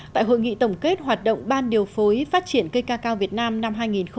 tại hội nghị tổng kết hoạt động ban điều phối phát triển cây ca cao việt nam năm hai nghìn một mươi bảy